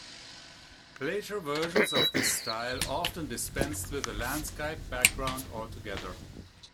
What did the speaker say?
Later versions of this style often dispensed with a landscape background altogether.